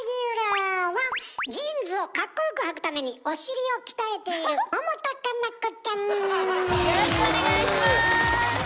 ジーンズをかっこよくはくためにお尻を鍛えているよろしくお願いします。